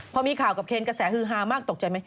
พอมีข่าวกับเคนกระแสฮือฮามากตกใจไหม